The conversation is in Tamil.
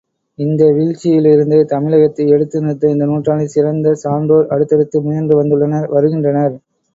இந்த வீழ்ச்சியிலிருந்து தமிழகத்தை எடுத்து நிறுத்த இந்த நூற்றாண்டில் சிறந்த சான்றோர் அடுத்தடுத்து முயன்று வந்துள்ளனர் வருகின்றனர்.